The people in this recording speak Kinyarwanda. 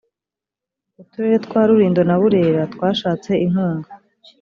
uturere twa rulindo na burera twashatse inkunga